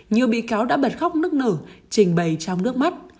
nhiều bị cáo đã bật khóc nước nở trình bày trong nước mắt